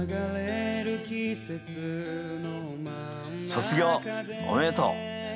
卒業おめでとう！